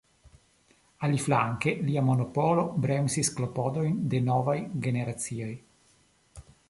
Aliflanke lia monopolo bremsis klopodojn de novaj generacioj.